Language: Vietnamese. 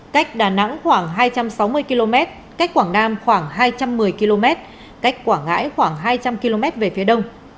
cách đà nẵng khoảng hai trăm sáu mươi km cách quảng nam khoảng hai trăm một mươi km cách quảng ngãi khoảng hai trăm linh km về phía đông